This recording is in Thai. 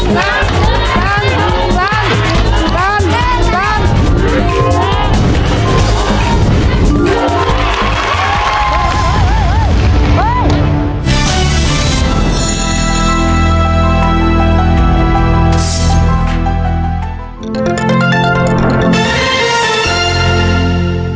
สุดท้ายสุดท้ายสุดท้าย